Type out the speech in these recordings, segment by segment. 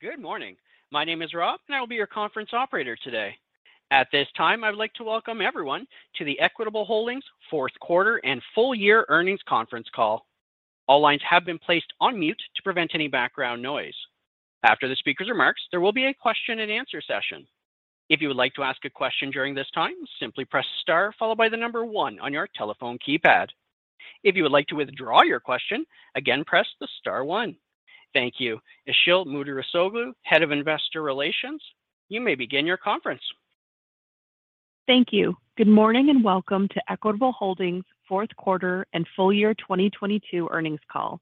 Good morning. My name is Rob, and I will be your conference operator today. At this time, I would like to welcome everyone to the Equitable Holdings fourth quarter and full year earnings conference call. All lines have been placed on mute to prevent any background noise. After the speaker's remarks, there will be a Q&A session. If you would like to ask a question during this time, simply press star followed by the number one on your telephone keypad. If you would like to withdraw your question, again, press the star one. Thank you. Işıl Müderrisoğlu, Head of Investor Relations, you may begin your conference. Thank you. Good morning and welcome to Equitable Holdings fourth quarter and full year 2022 earnings call.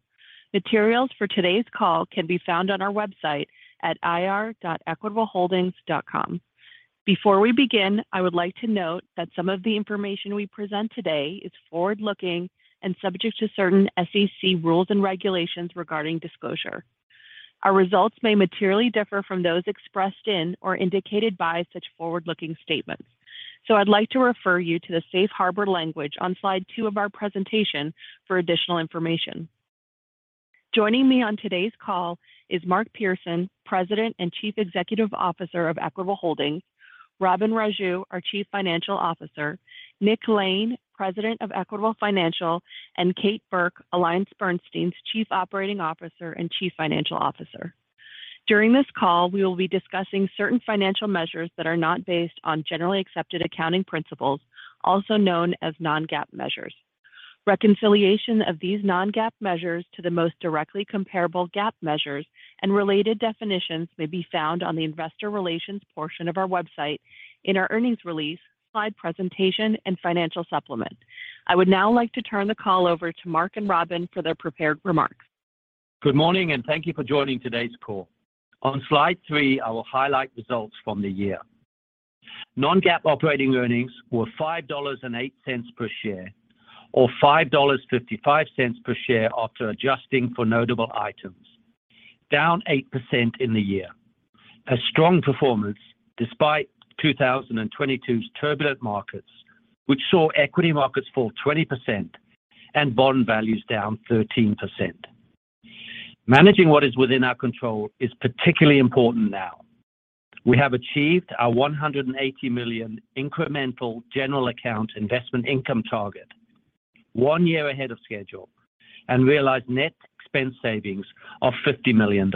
Materials for today's call can be found on our website at ir.equitableholdings.com. Before we begin, I would like to note that some of the information we present today is forward-looking and subject to certain SEC rules and regulations regarding disclosure. Our results may materially differ from those expressed in or indicated by such forward-looking statements. I'd like to refer you to the safe harbor language on slide two of our presentation for additional information. Joining me on today's call is Mark Pearson, President and Chief Executive Officer of Equitable Holdings, Robin Raju, our Chief Financial Officer, Nick Lane, President of Equitable Financial, and Kate Burke, AllianceBernstein's Chief Operating Officer and Chief Financial Officer. During this call, we will be discussing certain financial measures that are not based on generally accepted accounting principles, also known as non-GAAP measures. Reconciliation of these non-GAAP measures to the most directly comparable GAAP measures and related definitions may be found on the Investor Relations portion of our website in our earnings release, slide presentation and financial supplement. I would now like to turn the call over to Mark and Robin for their prepared remarks. Good morning, and thank you for joining today's call. On slide three, I will highlight results from the year. Non-GAAP operating earnings were $5.08 per share, or $5.55 per share after adjusting for notable items, down 8% in the year. A strong performance despite 2022's turbulent markets, which saw equity markets fall 20% and bond values down 13%. Managing what is within our control is particularly important now. We have achieved our $180 million incremental general account investment income target one year ahead of schedule and realized net expense savings of $50 million.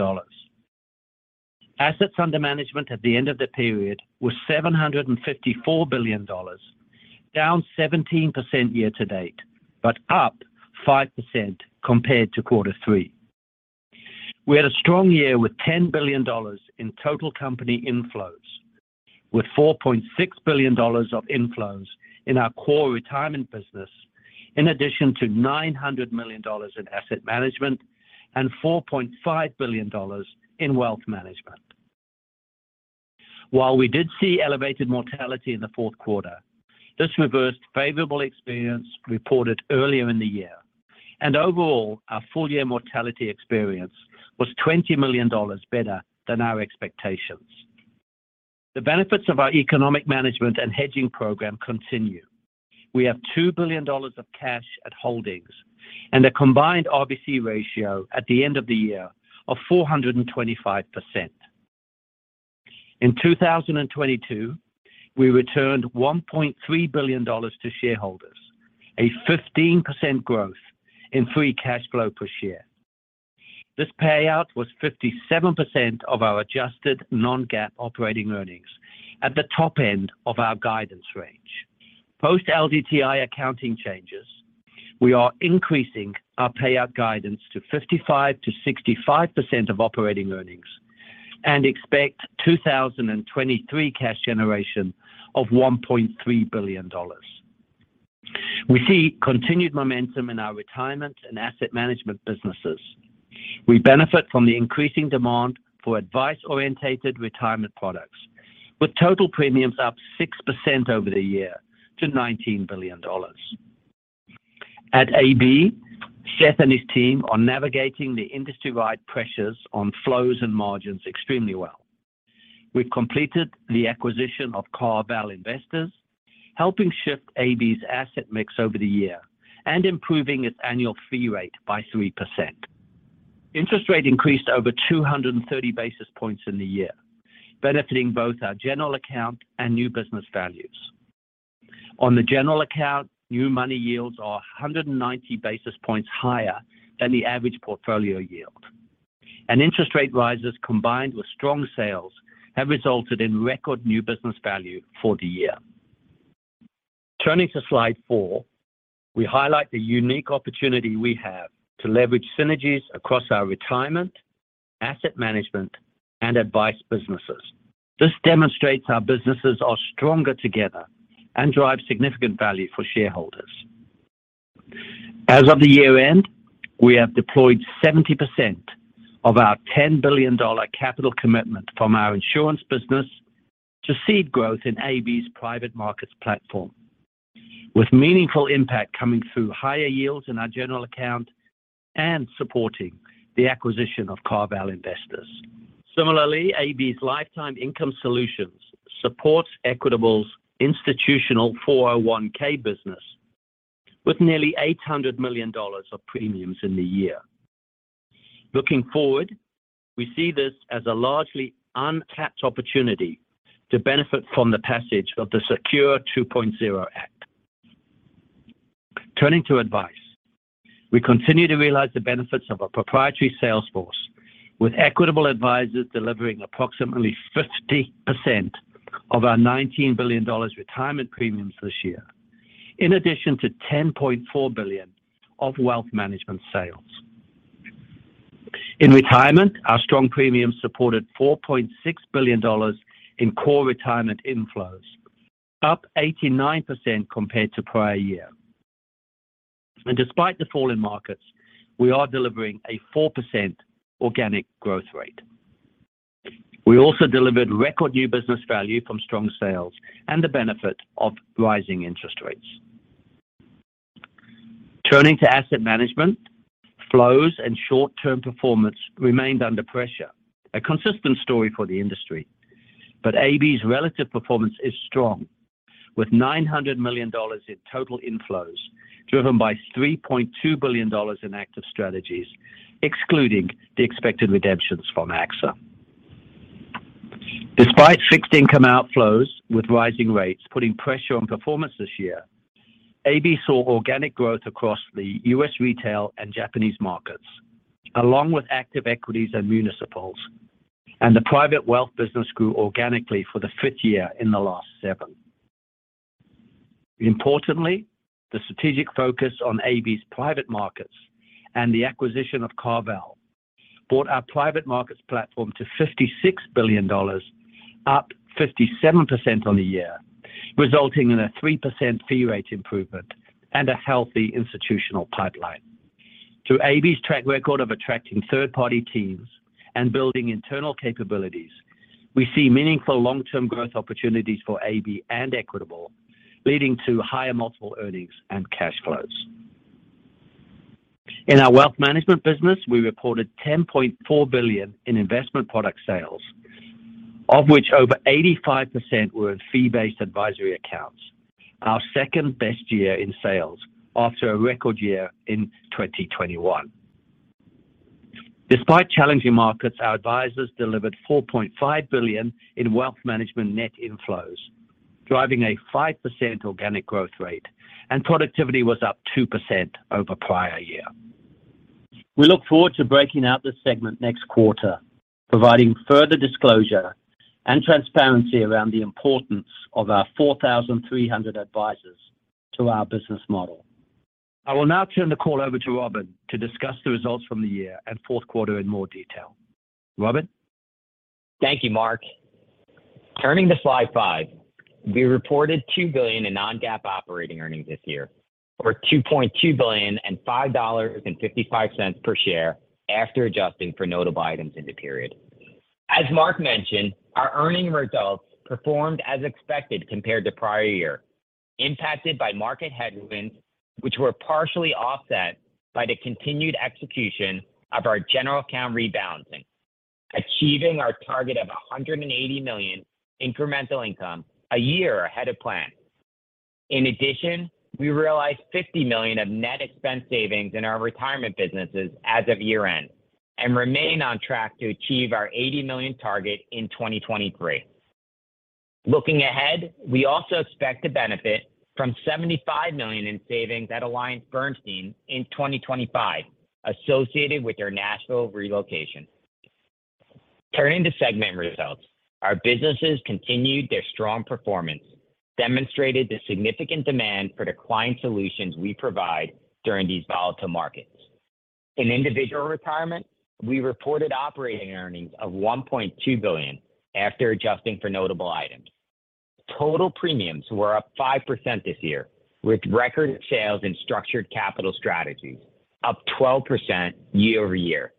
Assets under management at the end of the period were $754 billion, down 17% year to date, but up 5% compared to Q3. We had a strong year with $10 billion in total company inflows, with $4.6 billion of inflows in our core retirement business, in addition to $900 million in asset management and $4.5 billion in wealth management. While we did see elevated mortality in the fourth quarter, this reversed favorable experience reported earlier in the year. Overall, our full year mortality experience was $20 million better than our expectations. The benefits of our economic management and hedging program continue. We have $2 billion of cash at holdings and a combined RBC ratio at the end of the year of 425%. In 2022, we returned $1.3 billion to shareholders, a 15% growth in free cash flow per share. This payout was 57% of our adjusted non-GAAP operating earnings at the top end of our guidance range. Post LDTI accounting changes, we are increasing our payout guidance to 55%-65% of operating earnings and expect 2023 cash generation of $1.3 billion. We see continued momentum in our retirement and asset management businesses. We benefit from the increasing demand for advice-orientated retirement products, with total premiums up 6% over the year to $19 billion. At AB, Seth and his team are navigating the industry-wide pressures on flows and margins extremely well. We've completed the acquisition of CarVal Investors, helping shift AB's asset mix over the year and improving its annual fee rate by 3%. Interest rate increased over 230 basis points in the year, benefiting both our general account and new business values. On the general account, new money yields are 190 basis points higher than the average portfolio yield. Interest rate rises combined with strong sales have resulted in record new business value for the year. Turning to slide four, we highlight the unique opportunity we have to leverage synergies across our retirement, asset management, and advice businesses. This demonstrates our businesses are stronger together and drive significant value for shareholders. As of the year-end, we have deployed 70% of our $10 billion capital commitment from our insurance business to seed growth in AB's private markets platform, with meaningful impact coming through higher yields in our general account and supporting the acquisition of CarVal Investors. Similarly, AB's lifetime income solutions supports Equitable's institutional 401(k) business. With nearly $800 million of premiums in the year. Looking forward, we see this as a largely untapped opportunity to benefit from the passage of the SECURE 2.0 Act. Turning to advice. We continue to realize the benefits of our proprietary sales force, with Equitable Advisors delivering approximately 50% of our $19 billion retirement premiums this year, in addition to $10.4 billion of wealth management sales. In retirement, our strong premiums supported $4.6 billion in core retirement inflows, up 89% compared to prior year. Despite the fall in markets, we are delivering a 4% organic growth rate. We also delivered record new business value from strong sales and the benefit of rising interest rates. Turning to asset management, flows and short-term performance remained under pressure, a consistent story for the industry. AB's relative performance is strong, with $900 million in total inflows, driven by $3.2 billion in active strategies, excluding the expected redemptions from AXA. Despite fixed income outflows with rising rates putting pressure on performance this year, AB saw organic growth across the U.S. retail and Japanese markets, along with active equities and municipals, and the private wealth business grew organically for the fifth year in the last seven. Importantly, the strategic focus on AB's private markets and the acquisition of CarVal brought our private markets platform to $56 billion, up 57% on the year, resulting in a 3% fee rate improvement and a healthy institutional pipeline. Through AB's track record of attracting third-party teams and building internal capabilities, we see meaningful long-term growth opportunities for AB and Equitable, leading to higher multiple earnings and cash flows. In our wealth management business, we reported $10.4 billion in investment product sales, of which over 85% were in fee-based advisory accounts, our second-best year in sales after a record year in 2021. Despite challenging markets, our advisors delivered $4.5 billion in wealth management net inflows, driving a 5% organic growth rate, and productivity was up 2% over prior year. We look forward to breaking out this segment next quarter, providing further disclosure and transparency around the importance of our 4,300 advisors to our business model. I will now turn the call over to Robin to discuss the results from the year and fourth quarter in more detail. Robin. Thank you, Mark Pearson. Turning to slide five, we reported $2 billion in non-GAAP operating earnings this year, over $2.2 billion and $5.55 per share after adjusting for notable items in the period. As Mark Pearson mentioned, our earning results performed as expected compared to prior year, impacted by market headwinds, which were partially offset by the continued execution of our general account rebalancing, achieving our target of $180 million incremental income a year ahead of plan. In addition, we realized $50 million of net expense savings in our retirement businesses as of year-end and remain on track to achieve our $80 million target in 2023. Looking ahead, we also expect to benefit from $75 million in savings at AllianceBernstein in 2025 associated with their Nashville relocation. Turning to segment results. Our businesses continued their strong performance, demonstrated the significant demand for the client solutions we provide during these volatile markets. In individual retirement, we reported operating earnings of $1.2 billion after adjusting for notable items. Total premiums were up 5% this year, with record sales in Structured Capital Strategies up 12% year-over-year.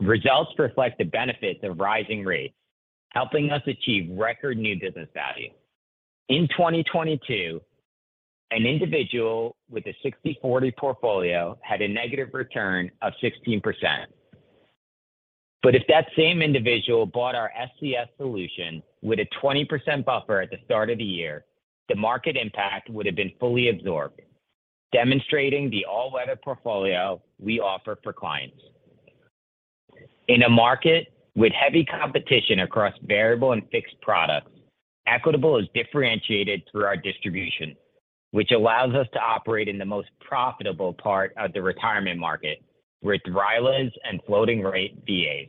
Results reflect the benefits of rising rates, helping us achieve record new business value. In 2022, an individual with a 60/40 portfolio had a negative return of 16%. If that same individual bought our SCS solution with a 20% buffer at the start of the year, the market impact would have been fully absorbed, demonstrating the all-weather portfolio we offer for clients. In a market with heavy competition across variable and fixed products, Equitable is differentiated through our distribution, which allows us to operate in the most profitable part of the retirement market with RILAs and floating rate VAs.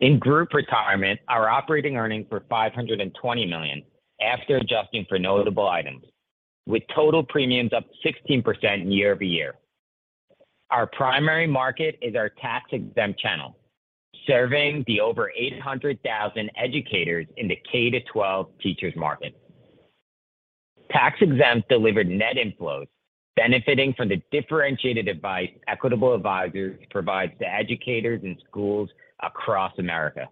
In group retirement, our operating earnings were $520 million after adjusting for notable items, with total premiums up 16% year-over-year. Our primary market is our tax-exempt channel, serving the over 800,000 educators in the K-12 teachers market. Tax-exempt delivered net inflows benefiting from the differentiated advice Equitable Advisors provides to educators and schools across America.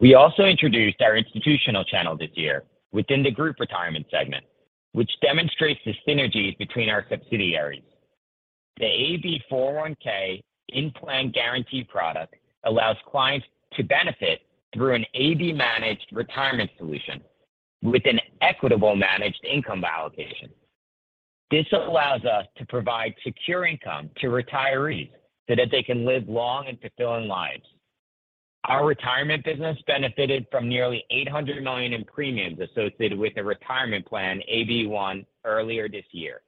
We also introduced our institutional channel this year within the group retirement segment, which demonstrates the synergies between our subsidiaries. The AB 401(k) in-plan guarantee product allows clients to benefit through an AB-managed retirement solution with an Equitable managed income allocation. This allows us to provide secure income to retirees so that they can live long and fulfilling lives. Our retirement business benefited from nearly $800 million in premiums associated with the retirement plan AB1 earlier this year.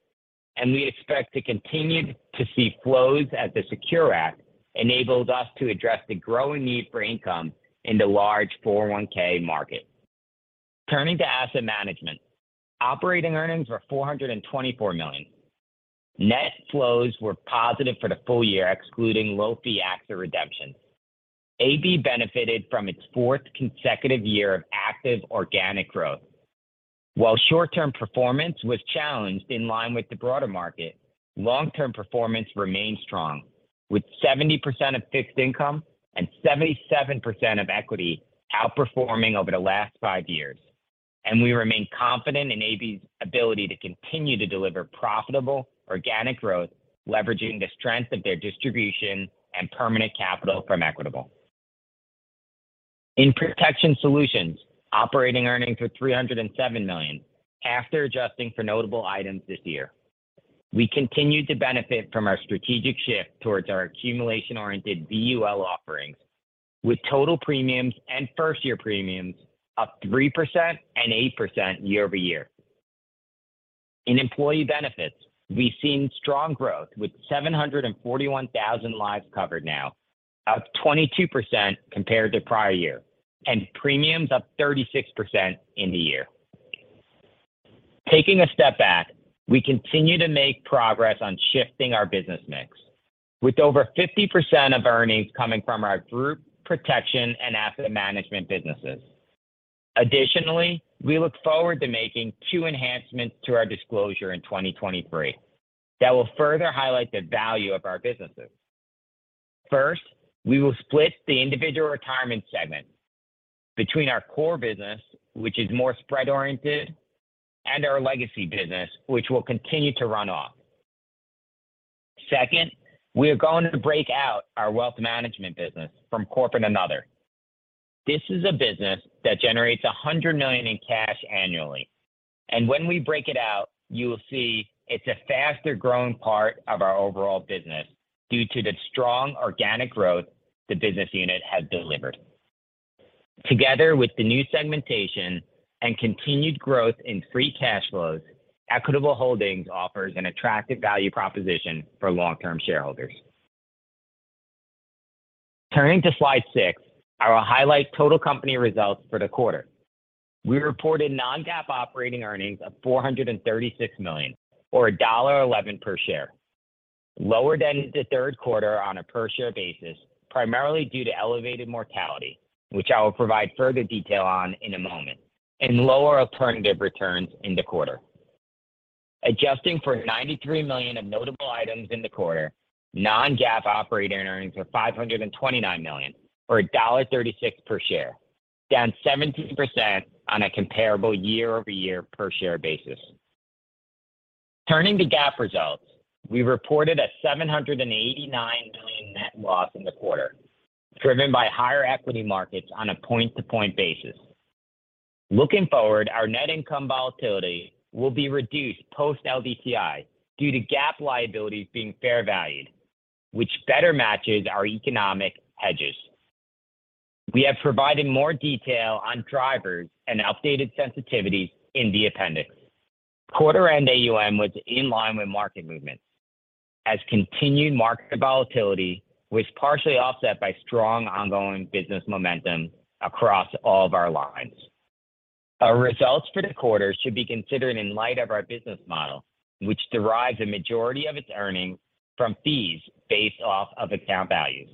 We expect to continue to see flows as the SECURE Act enables us to address the growing need for income in the large 401 (k) market. Turning to asset management, operating earnings were $424 million. Net flows were positive for the full year, excluding low-fee AXA redemptions. AB benefited from its fourth consecutive year of active organic growth. While short-term performance was challenged in line with the broader market, long-term performance remained strong, with 70% of fixed income and 77% of equity outperforming over the last five years. We remain confident in AB's ability to continue to deliver profitable organic growth, leveraging the strength of their distribution and permanent capital from Equitable. In Protection Solutions, operating earnings were $307 million after adjusting for notable items this year. We continued to benefit from our strategic shift towards our accumulation-oriented BUL offerings, with total premiums and first-year premiums up 3% and 8% year-over-year. In Employee Benefits, we've seen strong growth with 741,000 lives covered now, up 22% compared to prior year, and premiums up 36% in the year. Taking a step back, we continue to make progress on shifting our business mix, with over 50% of earnings coming from our group protection and asset management businesses. Additionally, we look forward to making two enhancements to our disclosure in 2023 that will further highlight the value of our businesses. First, we will split the individual retirement segment between our core business, which is more spread-oriented, and our legacy business, which will continue to run off. Second, we are going to break out our wealth management business from corporate and another. This is a business that generates $100 million in cash annually, and when we break it out, you will see it's a faster-growing part of our overall business due to the strong organic growth the business unit has delivered. Together with the new segmentation and continued growth in free cash flows, Equitable Holdings offers an attractive value proposition for long-term shareholders. Turning to slide six, I will highlight total company results for the quarter. We reported non-GAAP operating earnings of $436 million or $1.11 per share, lower than the third quarter on a per-share basis, primarily due to elevated mortality, which I will provide further detail on in a moment, and lower alternative returns in the quarter. Adjusting for $93 million of notable items in the quarter, non-GAAP operating earnings were $529 million or $1.36 per share, down 17% on a comparable year-over-year per-share basis. Turning to GAAP results, we reported a $789 million net loss in the quarter, driven by higher equity markets on a point-to-point basis. Looking forward, our net income volatility will be reduced post-LDTI due to GAAP liabilities being fair valued, which better matches our economic hedges. We have provided more detail on drivers and updated sensitivities in the appendix. Quarter-end AUM was in line with market movements as continued market volatility was partially offset by strong ongoing business momentum across all of our lines. Our results for the quarter should be considered in light of our business model, which derives a majority of its earnings from fees based off of account values.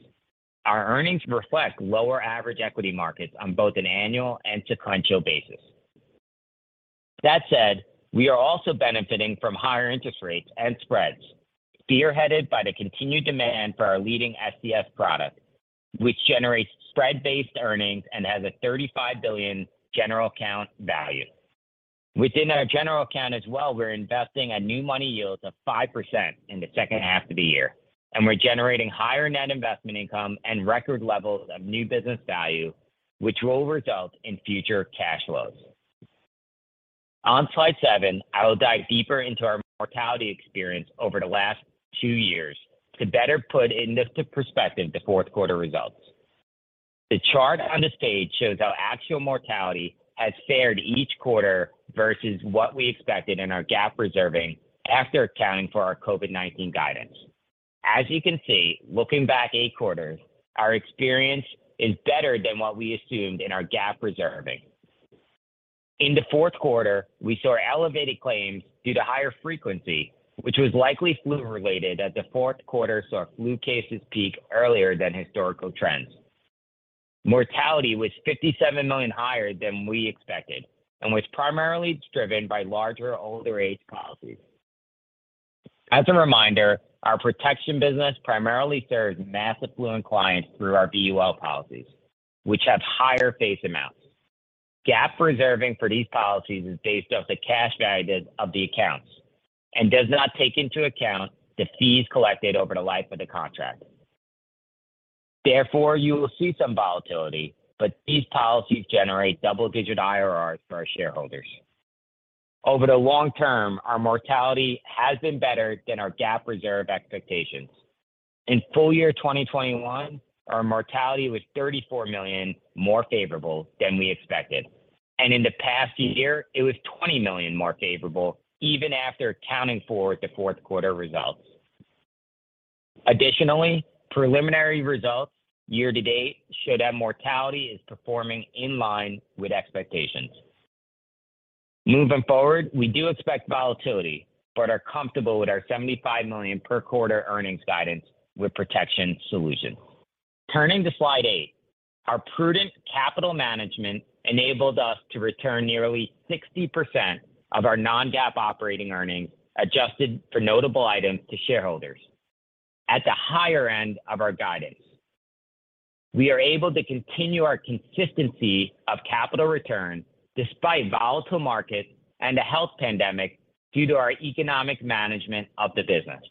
Our earnings reflect lower average equity markets on both an annual and sequential basis. That said, we are also benefiting from higher interest rates and spreads, spearheaded by the continued demand for our leading SCS product, which generates spread-based earnings and has a $35 billion general account value. Within our general account as well, we're investing at new money yields of 5% in the second half of the year, and we're generating higher net investment income and record levels of new business value, which will result in future cash flows. On slide seven, I will dive deeper into our mortality experience over the last two years to better put into perspective the fourth quarter results. The chart on this page shows how actual mortality has fared each quarter versus what we expected in our GAAP reserving after accounting for our COVID-19 guidance. As you can see, looking back eight quarters, our experience is better than what we assumed in our GAAP reserving. In the fourth quarter, we saw elevated claims due to higher frequency, which was likely flu-related as the fourth quarter saw flu cases peak earlier than historical trends. Mortality was $57 million higher than we expected and was primarily driven by larger older-age policies. As a reminder, our protection business primarily serves mass affluent clients through our BUL policies, which have higher face amounts. GAAP reserving for these policies is based off the cash values of the accounts and does not take into account the fees collected over the life of the contract. Therefore, you will see some volatility, but these policies generate double-digit IRRs for our shareholders. Over the long term, our mortality has been better than our GAAP reserve expectations. In full year 2021, our mortality was $34 million more favorable than we expected. In the past year, it was $20 million more favorable even after accounting for the fourth quarter results. Additionally, preliminary results year to date show that mortality is performing in line with expectations. Moving forward, we do expect volatility, but are comfortable with our $75 million per quarter earnings guidance with Protection Solutions. Turning to slide eight. Our prudent capital management enabled us to return nearly 60% of our non-GAAP operating earnings, adjusted for notable items to shareholders at the higher end of our guidance. We are able to continue our consistency of capital return despite volatile markets and a health pandemic due to our economic management of the business.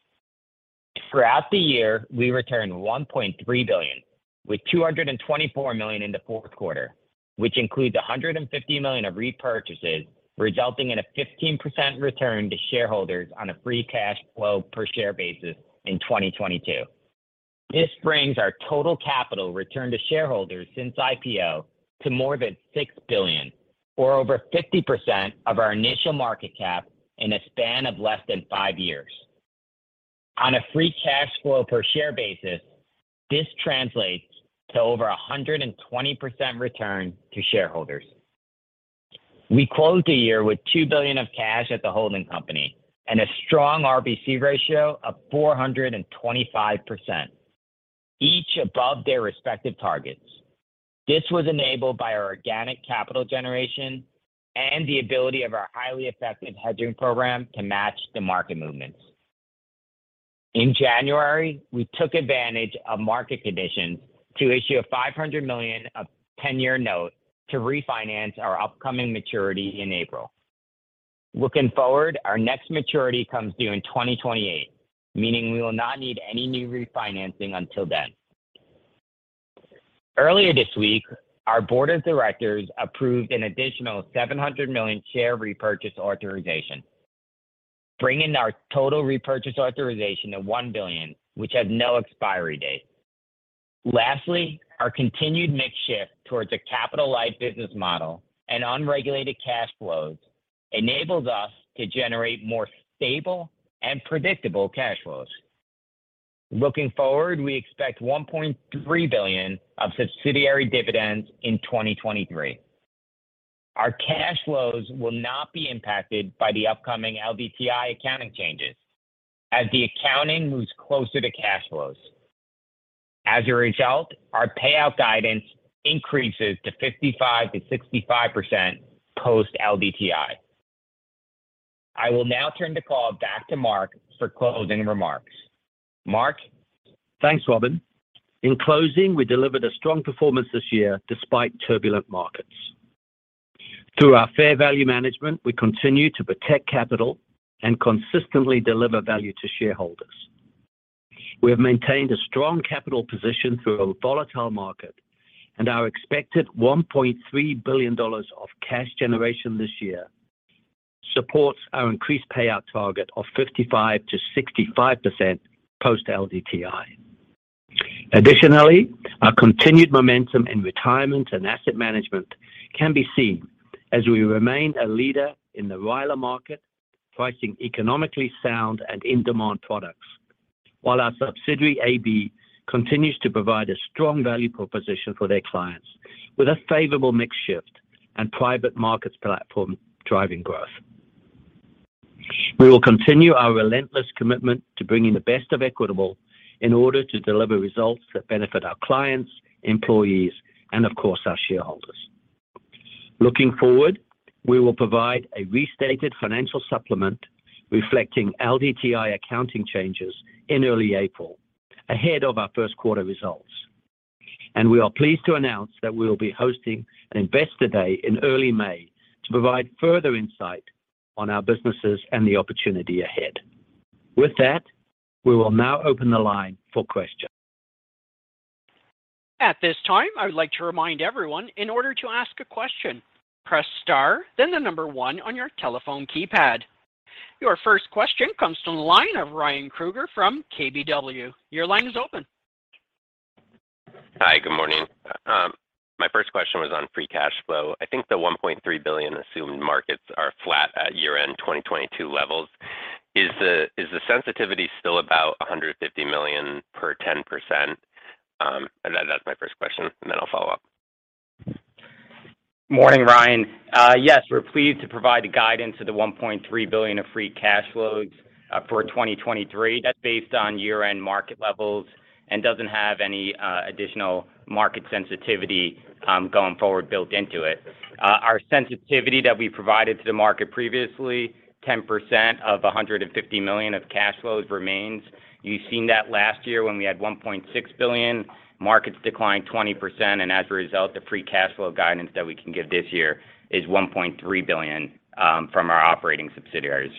Throughout the year, we returned $1.3 billion, with $224 million in the fourth quarter, which includes $150 million of repurchases, resulting in a 15% return to shareholders on a free cash flow per share basis in 2022. This brings our total capital return to shareholders since IPO to more than $6 billion or over 50% of our initial market cap in a span of less than five years. On a free cash flow per share basis, this translates to over 120% return to shareholders. We close the year with $2 billion of cash at the holding company and a strong RBC ratio of 425%, each above their respective targets. This was enabled by our organic capital generation and the ability of our highly effective hedging program to match the market movements. In January, we took advantage of market conditions to issue a $500 million of 10-year note to refinance our upcoming maturity in April. Looking forward, our next maturity comes due in 2028, meaning we will not need any new refinancing until then. Earlier this week, our board of directors approved an additional $700 million share repurchase authorization, bringing our total repurchase authorization to $1 billion, which has no expiry date. Lastly, our continued mix shift towards a capital light business model and unregulated cash flows enables us to generate more stable and predictable cash flows. Looking forward, we expect $1.3 billion of subsidiary dividends in 2023. Our cash flows will not be impacted by the upcoming LDTI accounting changes as the accounting moves closer to cash flows. As a result, our payout guidance increases to 55%-65% post-LDTI. I will now turn the call back to Mark for closing remarks. Mark? Thanks, Robin. In closing, we delivered a strong performance this year despite turbulent markets. Through our fair value management, we continue to protect capital and consistently deliver value to shareholders. We have maintained a strong capital position through a volatile market, and our expected $1.3 billion of cash generation this year supports our increased payout target of 55%-65% post-LDTI. Additionally, our continued momentum in retirement and asset management can be seen as we remain a leader in the RILA market, pricing economically sound and in-demand products. While our subsidiary, AB, continues to provide a strong value proposition for their clients with a favorable mix shift and private markets platform driving growth. We will continue our relentless commitment to bringing the best of Equitable in order to deliver results that benefit our clients, employees, and of course, our shareholders. Looking forward, we will provide a restated financial supplement reflecting LDTI accounting changes in early April ahead of our first quarter results. We are pleased to announce that we will be hosting an Investor Day in early May to provide further insight on our businesses and the opportunity ahead. With that, we will now open the line for questions. At this time, I would like to remind everyone in order to ask a question, press star, then the number one on your telephone keypad. Your first question comes from the line of Ryan Krueger from KBW. Your line is open. Hi. Good morning. My first question was on free cash flow. I think the $1.3 billion assumed markets are flat at year-end 2022 levels. Is the sensitivity still about $150 million per 10%? That's my first question, then I'll follow up. Morning, Ryan. yes, we're pleased to provide the guidance of $1.3 billion of free cash flows for 2023. That's based on year-end market levels and doesn't have any additional market sensitivity going forward built into it. Our sensitivity that we provided to the market previously, 10% of $150 million of cash flows remains. You've seen that last year when we had $1.6 billion, markets declined 20%. As a result, the free cash flow guidance that we can give this year is $1.3 billion from our operating subsidiaries.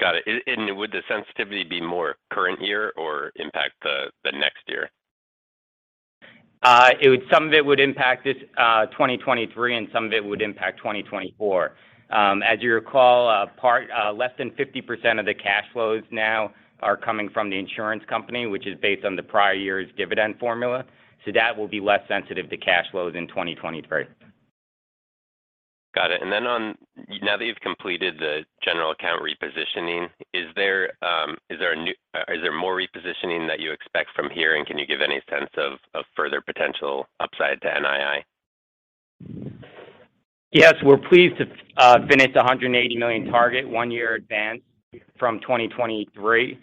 Got it. Would the sensitivity be more current year or impact the next year? Some of it would impact this, 2023, and some of it would impact 2024. As you recall, less than 50% of the cash flows now are coming from the insurance company, which is based on the prior year's dividend formula. That will be less sensitive to cash flows in 2023. Got it. Now that you've completed the general account repositioning, is there more repositioning that you expect from here, can you give any sense of further potential upside to NII? Yes. We're pleased to finish the $180 million target one year advanced from 2023.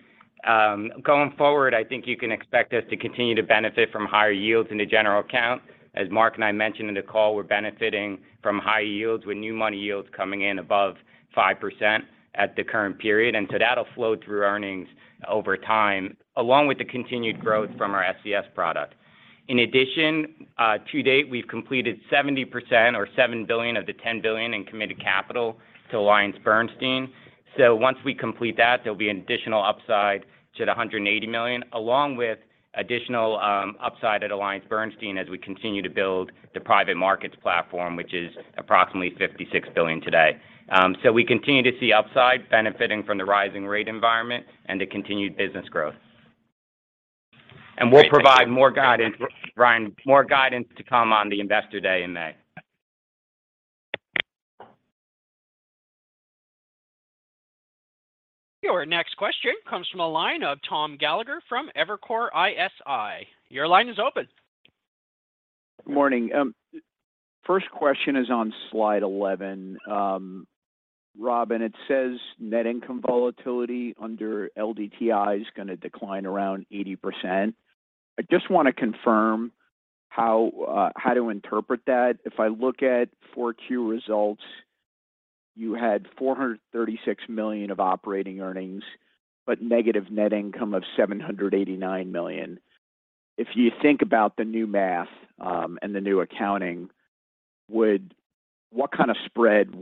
Going forward, I think you can expect us to continue to benefit from higher yields in the general account. As Mark and I mentioned in the call, we're benefiting from high yields with new money yields coming in above 5% at the current period. That'll flow through earnings over time, along with the continued growth from our SCS product. In addition, to date, we've completed 70% or $7 billion of the $10 billion in committed capital to AllianceBernstein. Once we complete that, there'll be an additional upside to the $180 million, along with additional upside at AllianceBernstein as we continue to build the private markets platform, which is approximately $56 billion today. We continue to see upside benefiting from the rising rate environment and the continued business growth. Great. Thank you. We'll provide more guidance, Ryan, to come on the Investor Day in May. Your next question comes from the line of Tom Gallagher from Evercore ISI. Your line is open. Morning. First question is on slide 11. Robin, it says net income volatility under LDTI is gonna decline around 80%. I just wanna confirm how to interpret that. If I look at 4Q results, you had $436 million of operating earnings, but negative net income of $789 million. If you think about the new math and the new accounting, what kind of spread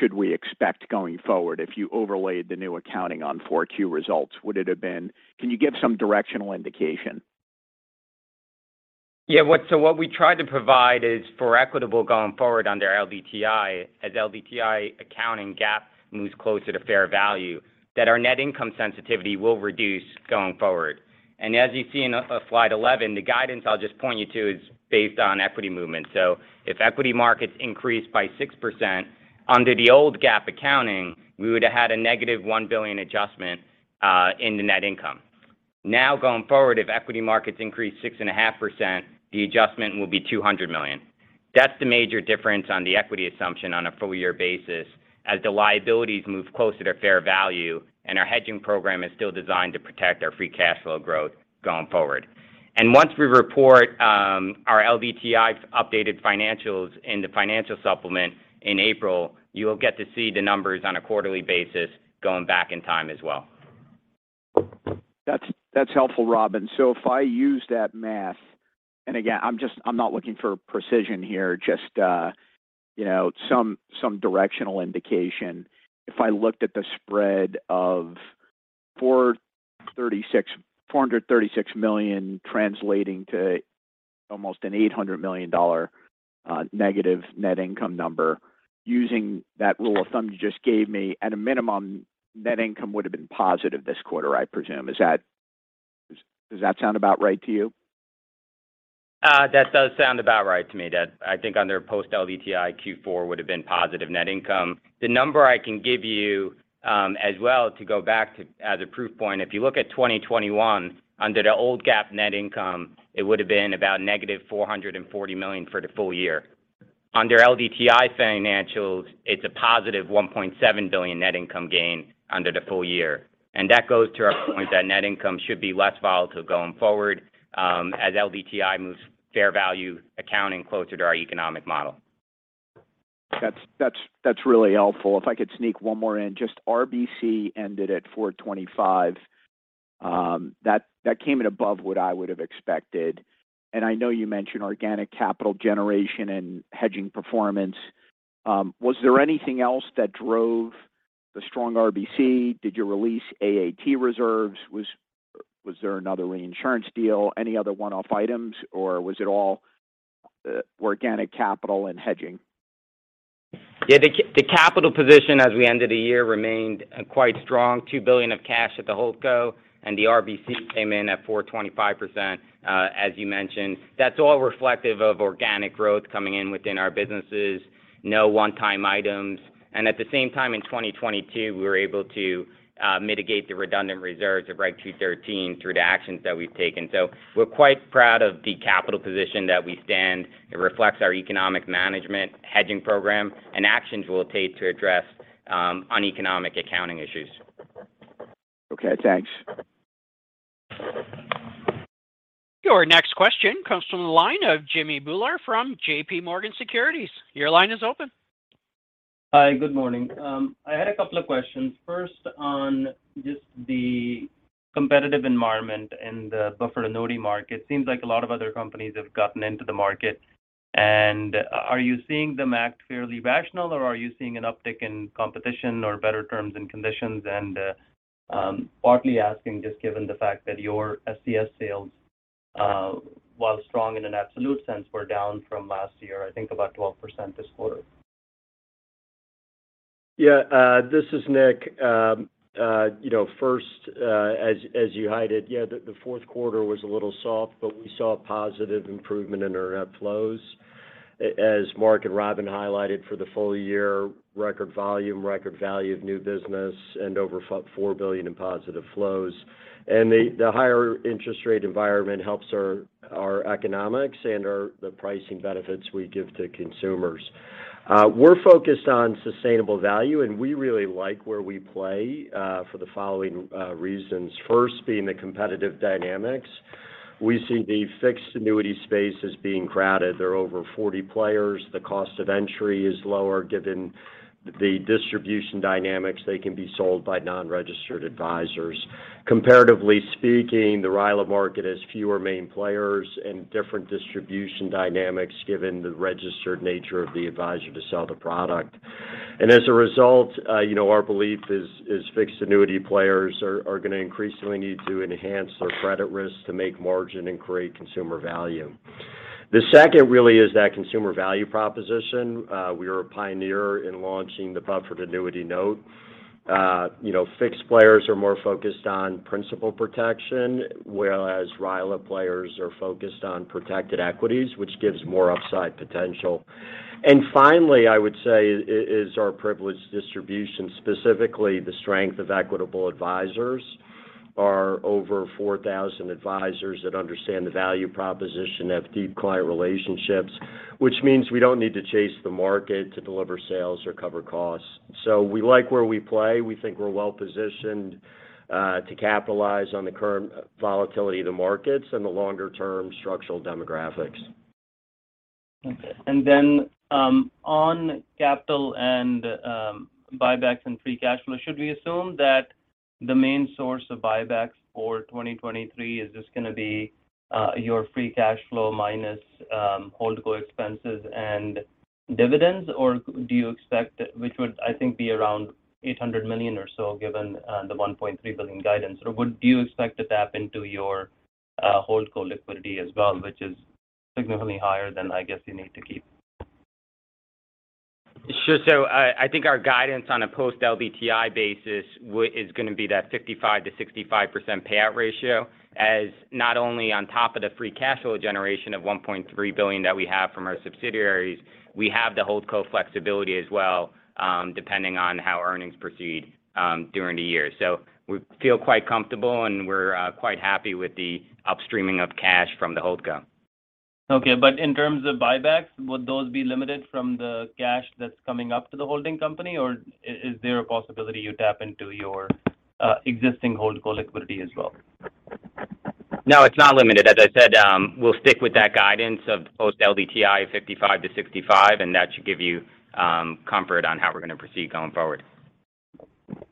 should we expect going forward if you overlaid the new accounting on 4Q results? Would it have been... Can you give some directional indication? What we tried to provide is for Equitable going forward under LDTI, as LDTI accounting GAAP moves closer to fair value, that our net income sensitivity will reduce going forward. As you see in slide 11, the guidance I'll just point you to is based on equity movement. If equity markets increased by 6%, under the old GAAP accounting, we would've had a negative $1 billion adjustment in the net income. Going forward, if equity markets increase 6.5%, the adjustment will be $200 million. That's the major difference on the equity assumption on a full year basis as the liabilities move closer to fair value, our hedging program is still designed to protect our free cash flow growth going forward. Once we report, our LDTI updated financials in the financial supplement in April, you will get to see the numbers on a quarterly basis going back in time as well. That's helpful, Robin. If I use that math, and again, I'm not looking for precision here, just, you know, some directional indication. If I looked at the spread of $436 million translating to almost an $800 million negative net income number, using that rule of thumb you just gave me, at a minimum, net income would've been positive this quarter, I presume. Does that sound about right to you? That does sound about right to me, that I think under post-LDTI, Q4 would've been positive net income. The number I can give you, as well to go back to as a proof point, if you look at 2021, under the old GAAP net income, it would've been about negative $440 million for the full year. Under LDTI financials, it's a positive $1.7 billion net income gain under the full year. That goes to our point that net income should be less volatile going forward, as LDTI moves fair value accounting closer to our economic model. That's really helpful. If I could sneak one more in. Just RBC ended at 425%. That came in above what I would've expected. I know you mentioned organic capital generation and hedging performance. Was there anything else that drove the strong RBC? Did you release AAT reserves? Was there another reinsurance deal? Any other one-off items, or was it all organic capital and hedging? Yeah. The capital position as we ended the year remained, quite strong. $2 billion of cash at the holdco, and the RBC came in at 425%, as you mentioned. That's all reflective of organic growth coming in within our businesses. No one-time items. At the same time, in 2022, we were able to mitigate the redundant reserves of Reg. 213 through the actions that we've taken. We're quite proud of the capital position that we stand. It reflects our economic management hedging program and actions we'll take to address uneconomic accounting issues. Okay, thanks. Your next question comes from the line of Jimmy Bhullar from JPMorgan Securities. Your line is open. Hi, good morning. I had a couple of questions. First on just the competitive environment in the buffered annuity market. Seems like a lot of other companies have gotten into the market. Are you seeing them act fairly rational, or are you seeing an uptick in competition or better terms and conditions? partly asking just given the fact that your SCS sales, while strong in an absolute sense, were down from last year, I think about 12% this quarter. This is Nick. You know, first, as you highlighted, the fourth quarter was a little soft, but we saw a positive improvement in our net flows. As Mark and Robin highlighted for the full year, record volume, record value of new business, and over $4 billion in positive flows. The higher interest rate environment helps our economics and our, the pricing benefits we give to consumers. We're focused on sustainable value, and we really like where we play for the following reasons, first being the competitive dynamics. We see the fixed annuity space as being crowded. There are over 40 players. The cost of entry is lower given the distribution dynamics. They can be sold by non-registered advisors. Comparatively speaking, the RILA market has fewer main players and different distribution dynamics given the registered nature of the advisor to sell the product. As a result, you know, our belief is fixed annuity players are gonna increasingly need to enhance their credit risk to make margin and create consumer value. The second really is that consumer value proposition. We are a pioneer in launching the buffered annuity note. You know, fixed players are more focused on principal protection, whereas RILA players are focused on protected equities, which gives more upside potential. Finally, I would say is our privileged distribution, specifically the strength of Equitable Advisors, our over 4,000 advisors that understand the value proposition have deep client relationships, which means we don't need to chase the market to deliver sales or cover costs. We like where we play. We think we're well positioned to capitalize on the current volatility of the markets and the longer-term structural demographics. Then, on capital and buybacks and free cash flow, should we assume that the main source of buybacks for 2023 is just gonna be your free cash flow minus holdco expenses and dividends, which would, I think, be around $800 million or so given the $1.3 billion guidance? Would you expect to tap into your holdco liquidity as well, which is significantly higher than, I guess, you need to keep? Sure. I think our guidance on a post-LDTI basis is gonna be that 55%-65% payout ratio as not only on top of the free cash flow generation of $1.3 billion that we have from our subsidiaries, we have the holdco flexibility as well, depending on how earnings proceed during the year. We feel quite comfortable, and we're quite happy with the upstreaming of cash from the holdco. Okay. In terms of buybacks, would those be limited from the cash that's coming up to the holding company, or is there a possibility you tap into your existing holdco liquidity as well? No, it's not limited. As I said, we'll stick with that guidance of post-LDTI 55-65. That should give you comfort on how we're gonna proceed going forward.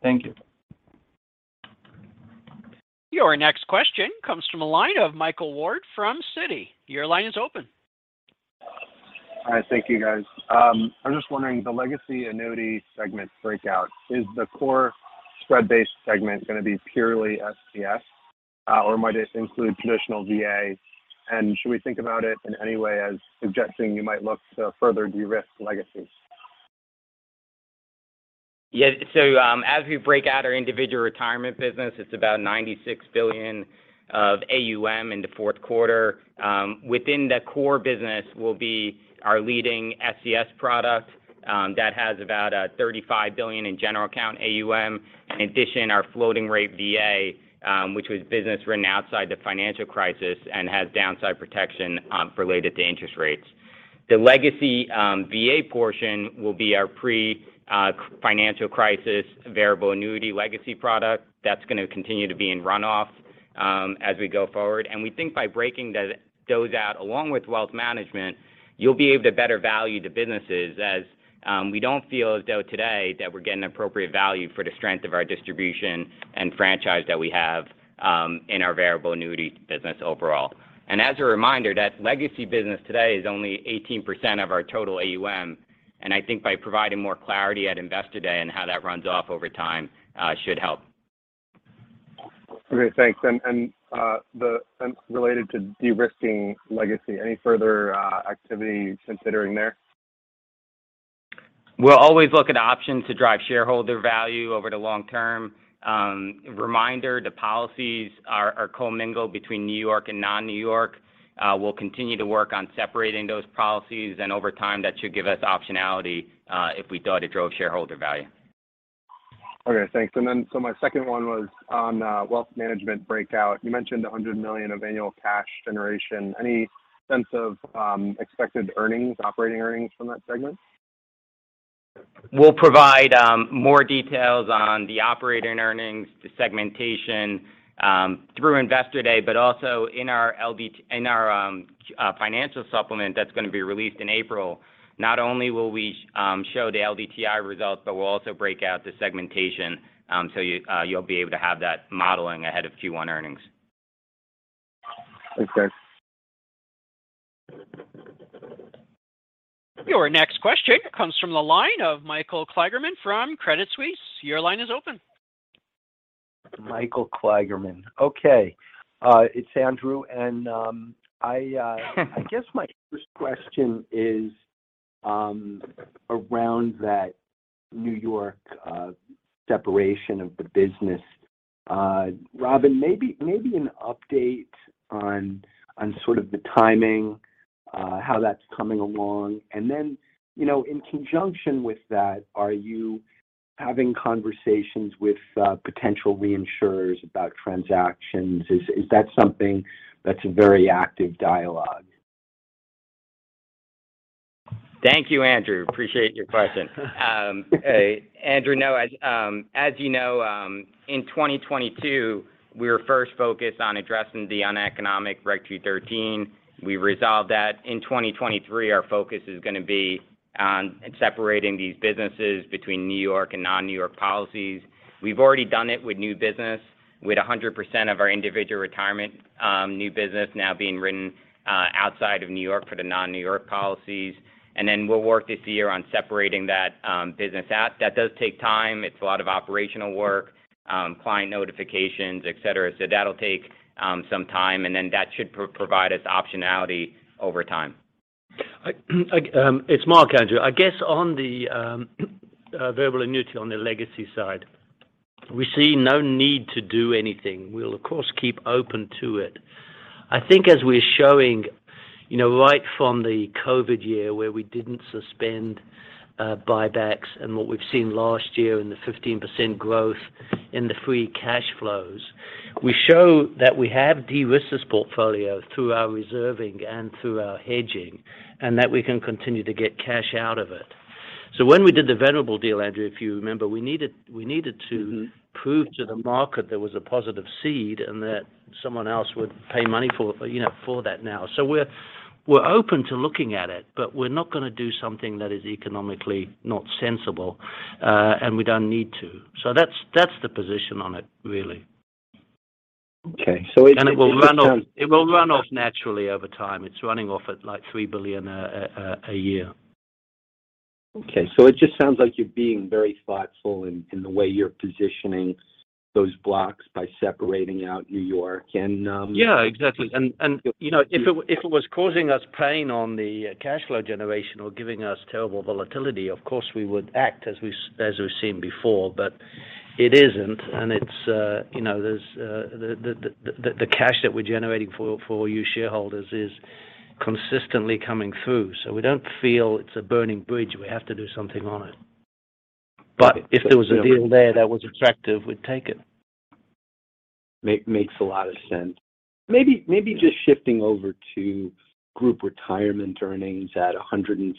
Thank you. Your next question comes from the line of Michael Ward from Citi. Your line is open. Hi. Thank you, guys. I'm just wondering, the legacy annuity segment breakout, is the core spread-based segment gonna be purely SCS, or might it include traditional VA? Should we think about it in any way as suggesting you might look to further de-risk legacy? As we break out our individual retirement business, it's about $96 billion of AUM in the fourth quarter. Within the core business will be our leading SCS product that has about $35 billion in general account AUM. In addition, our floating rate VA, which was business written outside the financial crisis and has downside protection related to interest rates. The legacy VA portion will be our pre-financial crisis variable annuity legacy product. That's gonna continue to be in runoff as we go forward. We think by breaking those out along with wealth management, you'll be able to better value the businesses as we don't feel as though today that we're getting appropriate value for the strength of our distribution and franchise that we have in our variable annuity business overall. As a reminder, that legacy business today is only 18% of our total AUM, and I think by providing more clarity at Investor Day on how that runs off over time, should help. Okay. Thanks. Related to de-risking legacy, any further activity considering there? We'll always look at options to drive shareholder value over the long term. Reminder, the policies are commingled between New York and non-New York. We'll continue to work on separating those policies, and over time, that should give us optionality, if we thought it drove shareholder value. Okay. Thanks. My second one was on, wealth management breakout. You mentioned $100 million of annual cash generation. Any sense of expected earnings, operating earnings from that segment? We'll provide more details on the operating earnings, the segmentation, through Investor Day, but also in our financial supplement that's gonna be released in April, not only will we show the LDTI results, but we'll also break out the segmentation, so you'll be able to have that modeling ahead of Q1 earnings. Thanks, guys. Your next question comes from the line of Andrew Kligerman from Credit Suisse. Your line is open. Andrew Kligerman. Okay. it's Andrew. I guess my first question is, around that New York, separation of the business. Robin, maybe an update on sort of the timing, how that's coming along. Then, you know, in conjunction with that, are you having conversations with, potential reinsurers about transactions? Is, is that something that's a very active dialogue? Thank you, Andrew. Appreciate your question. Andrew, no. As, as you know, in 2022, we were first focused on addressing the uneconomic REC 213. We resolved that. In 2023, our focus is gonna be on separating these businesses between New York and non-New York policies. We've already done it with new business, with 100% of our individual retirement, new business now being written, outside of New York for the non-New York policies. Then we'll work this year on separating that business out. That does take time. It's a lot of operational work, client notifications, et cetera. That'll take some time, and then that should provide us optionality over time. It's Mark, Andrew. I guess on the variable annuity on the legacy side, we see no need to do anything. We'll of course, keep open to it. I think as we're showing, you know, right from the COVID year where we didn't suspend buybacks and what we've seen last year in the 15% growth in the free cash flows, we show that we have de-risked this portfolio through our reserving and through our hedging, and that we can continue to get cash out of it. When we did the variable deal, Andrew, if you remember, we needed to prove to the market there was a positive seed and that someone else would pay money for, you know, for that now. We're open to looking at it, but we're not going to do something that is economically not sensible, and we don't need to. That's the position on it, really. Okay. it just. It will run off, it will run off naturally over time. It's running off at, like, $3 billion a year. Okay. It just sounds like you're being very thoughtful in the way you're positioning those blocks by separating out New York. Yeah, exactly. You know, if it was causing us pain on the cash flow generation or giving us terrible volatility, of course, we would act as we've seen before, but it isn't. It's, you know, there's the cash that we're generating for you shareholders is consistently coming through. We don't feel it's a burning bridge, we have to do something on it. If there was a deal there that was attractive, we'd take it. Makes a lot of sense. Maybe just shifting over to group retirement earnings at $115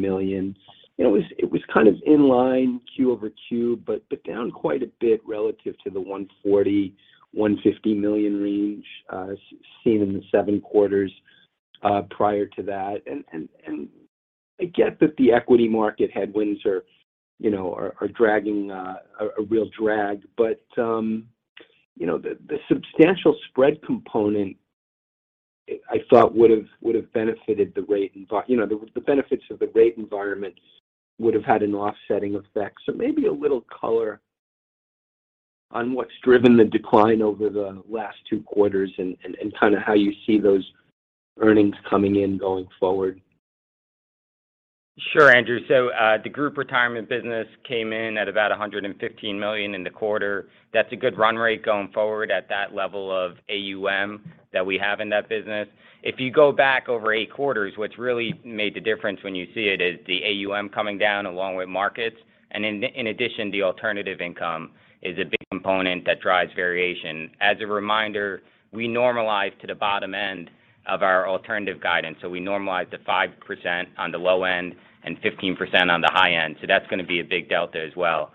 million. It was kind of in line Q-over-Q, but down quite a bit relative to the $140 million-$150 million range seen in the seven quarters prior to that. I get that the equity market headwinds are, you know, dragging a real drag, but, you know, the substantial spread component, I thought would have benefited the rate environment. You know, the benefits of the rate environment would have had an offsetting effect. Maybe a little color on what's driven the decline over the last two quarters and kinda how you see those earnings coming in going forward. Sure, Andrew. The group retirement business came in at about $115 million in the quarter. That's a good run rate going forward at that level of AUM that we have in that business. If you go back over eight quarters, what's really made the difference when you see it is the AUM coming down along with markets. In addition, the alternative income is a big component that drives variation. As a reminder, we normalize to the bottom end of our alternative guidance. We normalize to 5% on the low end and 15% on the high end. That's gonna be a big delta as well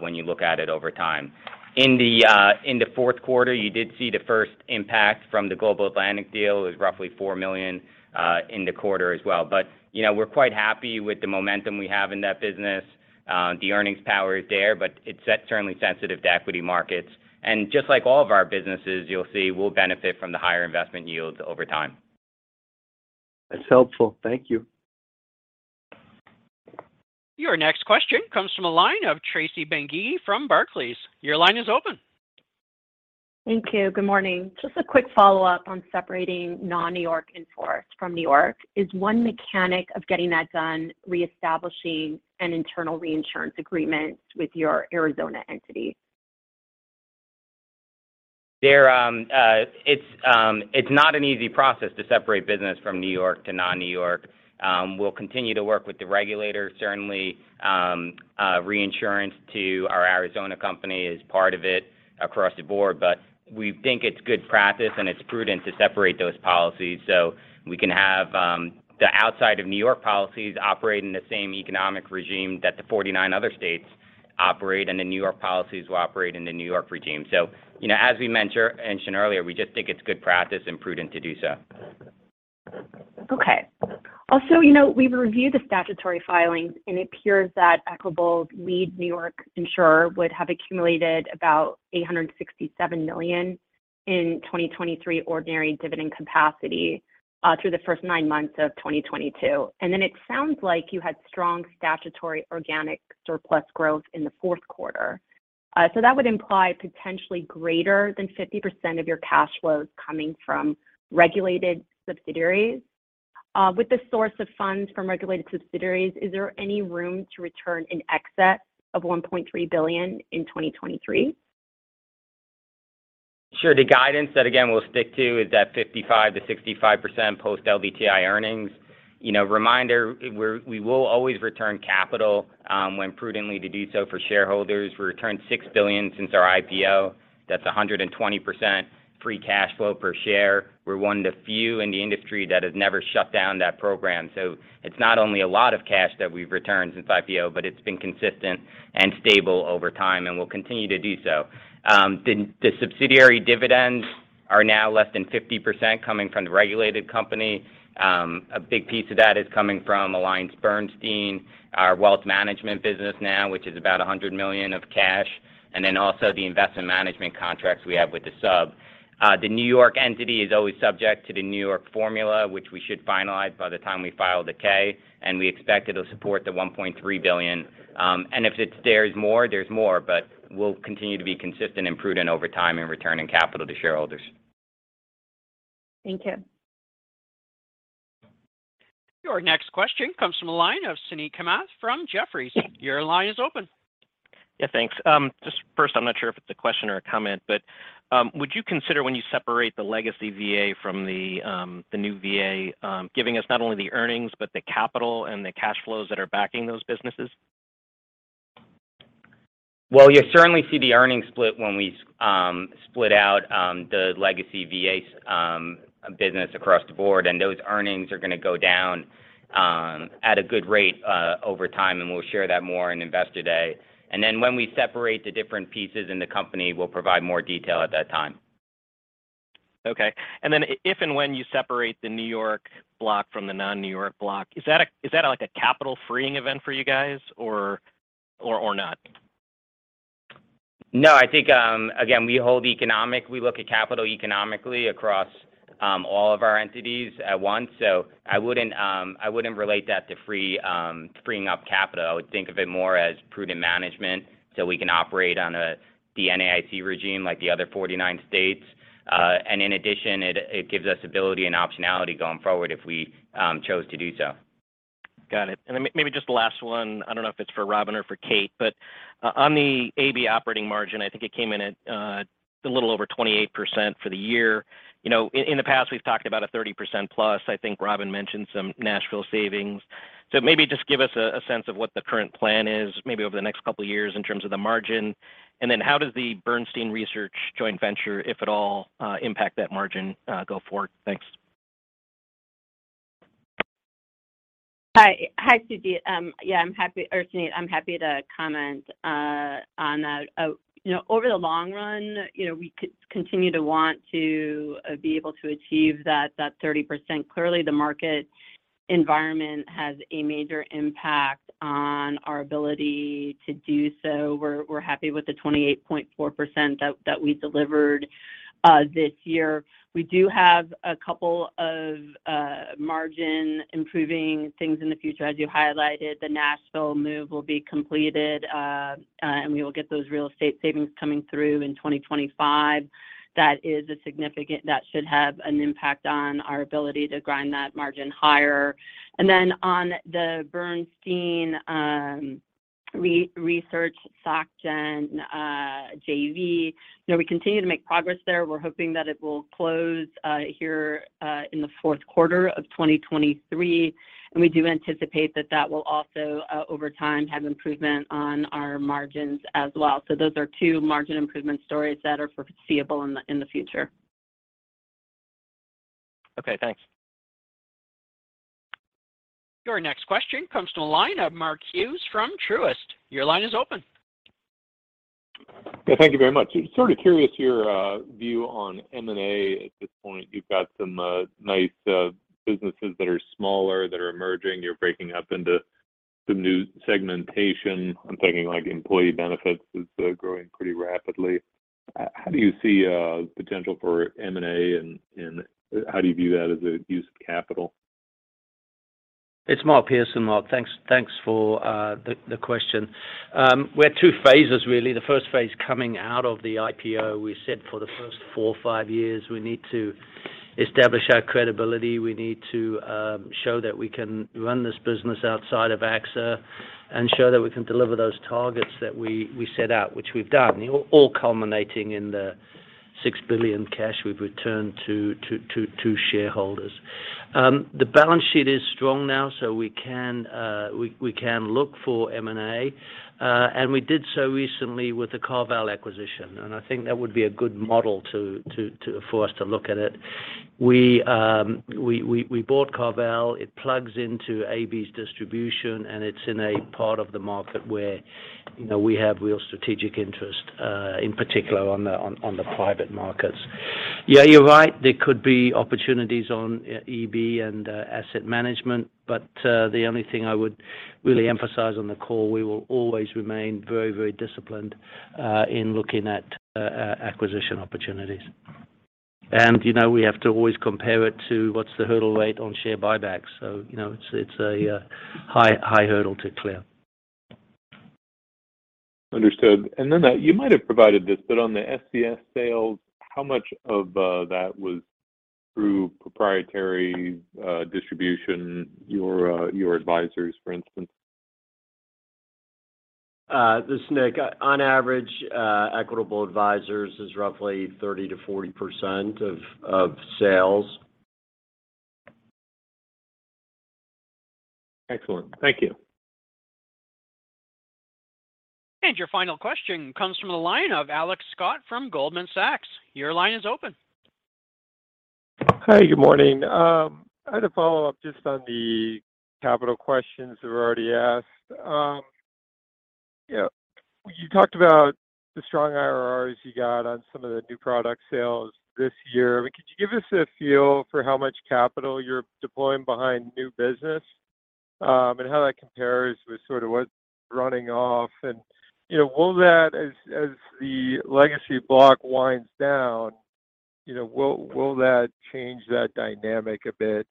when you look at it over time. In the fourth quarter, you did see the first impact from the Global Atlantic deal. It was roughly $4 million in the quarter as well. You know, we're quite happy with the momentum we have in that business. The earnings power is there, but it's certainly sensitive to equity markets. Just like all of our businesses, you'll see we'll benefit from the higher investment yields over time. That's helpful. Thank you. Your next question comes from a line of Tracy Benguigui from Barclays. Your line is open. Thank you. Good morning. Just a quick follow-up on separating non-New York in force from New York. Is one mechanic of getting that done reestablishing an internal reinsurance agreement with your Arizona entity? It's not an easy process to separate business from New York to non-New York. We'll continue to work with the regulators. Certainly, reinsurance to our Arizona company is part of it across the board. We think it's good practice, and it's prudent to separate those policies, so we can have the outside of New York policies operate in the same economic regime that the 49 other states operate, and the New York policies will operate in the New York regime. You know, as we mentioned earlier, we just think it's good practice and prudent to do so. Okay. Also, you know, we've reviewed the statutory filings, and it appears that Equitable's lead New York insurer would have accumulated about $867 million in 2023 ordinary dividend capacity through the first 9 months of 2022. It sounds like you had strong statutory organic surplus growth in the fourth quarter. That would imply potentially greater than 50% of your cash flows coming from regulated subsidiaries. With the source of funds from regulated subsidiaries, is there any room to return in excess of $1.3 billion in 2023? Sure. The guidance that, again, we'll stick to is that 55%-65% post-LDTI earnings. You know, reminder, we will always return capital when prudently to do so for shareholders. We returned $6 billion since our IPO. That's 120% free cash flow per share. We're one of the few in the industry that has never shut down that program. So it's not only a lot of cash that we've returned since IPO, but it's been consistent and stable over time and will continue to do so. The subsidiary dividends are now less than 50% coming from the regulated company. A big piece of that is coming from AllianceBernstein, our wealth management business now, which is about $100 million of cash, and then also the investment management contracts we have with the sub. The New York entity is always subject to the New York formula, which we should finalize by the time we file the K, and we expect it'll support the $1.3 billion. If it's there's more, there's more, but we'll continue to be consistent and prudent over time in returning capital to shareholders. Thank you. Your next question comes from the line of Suneet Kamath from Jefferies. Your line is open. Yeah, thanks. Just first, I'm not sure if it's a question or a comment, but would you consider when you separate the legacy VA from the new VA, giving us not only the earnings but the capital and the cash flows that are backing those businesses? You'll certainly see the earnings split when we split out the legacy VAs business across the board, and those earnings are gonna go down at a good rate over time, and we'll share that more in Investor Day. When we separate the different pieces in the company, we'll provide more detail at that time. Okay. Then if and when you separate the New York block from the non-New York block, is that like a capital-freeing event for you guys or not? No, I think, again, we look at capital economically across, all of our entities at once. I wouldn't, I wouldn't relate that to free, freeing up capital. I would think of it more as prudent management, so we can operate on the NAIC regime like the other 49 states. In addition, it gives us ability and optionality going forward if we chose to do so. Got it. Maybe just the last one. I don't know if it's for Robin or for Kate, but on the AB operating margin, I think it came in at a little over 28% for the year. You know, in the past, we've talked about a 30% plus. I think Robin mentioned some Nashville savings. Maybe just give us a sense of what the current plan is maybe over the next couple of years in terms of the margin. How does the Bernstein Research joint venture, if at all, impact that margin go forward? Thanks. Hi, Suneet. Yeah, Suneet, I'm happy to comment on that. You know, over the long run, you know, we continue to want to be able to achieve that 30%. Clearly, the market environment has a major impact on our ability to do so. We're happy with the 28.4% that we delivered this year. We do have a couple of margin improving things in the future. As you highlighted, the Nashville move will be completed, and we will get those real estate savings coming through in 2025. That should have an impact on our ability to grind that margin higher. On the Bernstein Research Soc Gen JV, you know, we continue to make progress there. We're hoping that it will close, here, in the fourth quarter of 2023. We do anticipate that that will also, over time, have improvement on our margins as well. Those are two margin improvement stories that are foreseeable in the future. Okay, thanks. Your next question comes to the line of Mark Hughes from Truist. Your line is open. Yeah, thank you very much. Sort of curious your view on M&A at this point. You've got some nice businesses that are smaller that are emerging. You're breaking up into some new segmentation. I'm thinking like Employee Benefits is growing pretty rapidly. How do you see potential for M&A and how do you view that as a use of capital? It's Mark Pearson. Mark, thanks for the question. We're two phases really. The first phase coming out of the IPO, we said for the first four or five years we need to establish our credibility. We need to show that we can run this business outside of AXA and show that we can deliver those targets that we set out, which we've done. You know, all culminating in the $6 billion cash we've returned to shareholders. The balance sheet is strong now, so we can look for M&A. We did so recently with the CarVal acquisition, and I think that would be a good model to for us to look at it. We bought CarVal. It plugs into AB's distribution, and it's in a part of the market where, you know, we have real strategic interest in particular on the, on the private markets. You're right. There could be opportunities on EB and asset management, but the only thing I would really emphasize on the call, we will always remain very, very disciplined in looking at acquisition opportunities. You know, we have to always compare it to what's the hurdle rate on share buybacks. You know, it's a high, high hurdle to clear. You might have provided this, but on the SCS sales, how much of that was through proprietary distribution, your advisors, for instance? This is Nick. On average, Equitable Advisors is roughly 30%-40% of sales. Excellent. Thank you. Your final question comes from the line of Alex Scott from Goldman Sachs. Your line is open. Hi, good morning. I had a follow-up just on the capital questions that were already asked. You know, you talked about the strong IRRs you got on some of the new product sales this year. Could you give us a feel for how much capital you're deploying behind new business, and how that compares with sort of what's running off? You know, will that as the legacy block winds down, you know, will that change that dynamic a bit?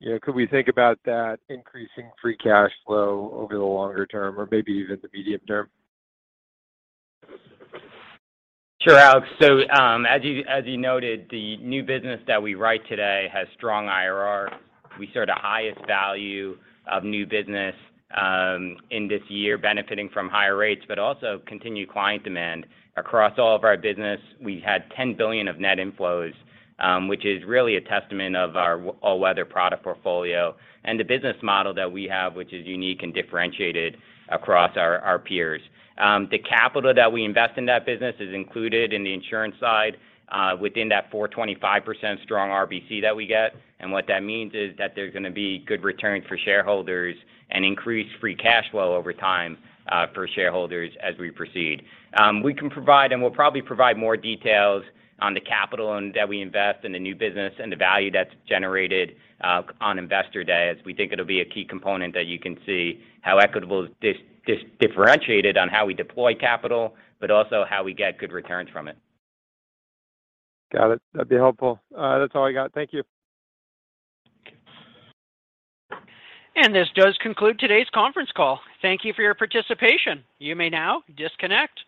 You know, could we think about that increasing free cash flow over the longer term or maybe even the medium term? Sure, Alex. As you noted, the new business that we write today has strong IRR. We saw the highest value of new business in this year benefiting from higher rates, but also continued client demand. Across all of our business, we had $10 billion of net inflows, which is really a testament of our all-weather product portfolio and the business model that we have, which is unique and differentiated across our peers. The capital that we invest in that business is included in the insurance side within that 425% strong RBC that we get. What that means is that there's gonna be good return for shareholders and increased free cash flow over time for shareholders as we proceed. We can provide, and we'll probably provide more details on the capital that we invest in the new business and the value that's generated, on Investor Day, as we think it'll be a key component that you can see how Equitable is differentiated on how we deploy capital, but also how we get good returns from it. Got it. That'd be helpful. That's all I got. Thank you. This does conclude today's conference call. Thank you for your participation. You may now disconnect.